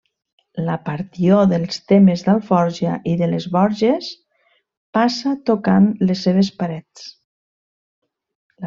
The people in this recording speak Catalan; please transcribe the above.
La partió dels termes d'Alforja i de les Borges passa tocant les seves parets.